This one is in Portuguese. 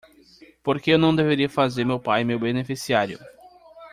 Por que eu não deveria fazer meu pai meu beneficiário?